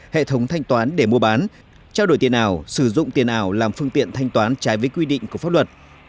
hệ thống thanh toán để mua bán trao đổi tiền ảo sử dụng tiền ảo làm phương tiện thanh toán trái với quy định của pháp luật